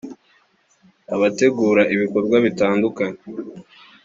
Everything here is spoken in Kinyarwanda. abategura ibikorwa bitandukanye